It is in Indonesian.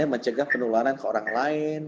mencegah penularan ke orang lain